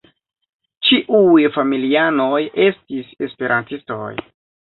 Ĉiuj familianoj estis Esperantistoj.